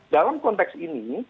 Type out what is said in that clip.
dalam konteks ini